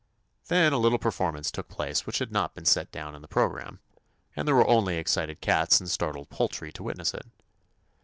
Then a little performance took place which had not been set down in the programme, and there were 140 TOMMY POSTOFFICE only excited cats and startled poultry to witness it.